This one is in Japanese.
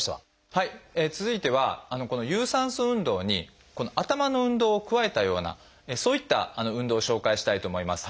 はい続いてはこの有酸素運動に頭の運動を加えたようなそういった運動を紹介したいと思います。